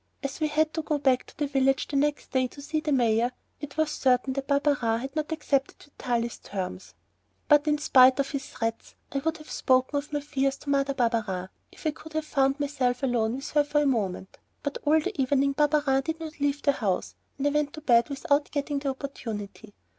As we had to go back to the village the next day to see the mayor, it was certain that Barberin had not accepted Vitalis' terms. But in spite of his threats I would have spoken of my fears to Mother Barberin if I could have found myself alone for one moment with her, but all the evening Barberin did not leave the house, and I went to bed without getting the opportunity.